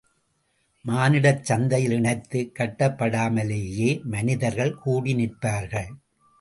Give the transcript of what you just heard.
மானிடச் சந்தையில் இணைத்துக் கட்டப்படாமலேயே மனிதர்கள் கூடிநிற்பார்கள்.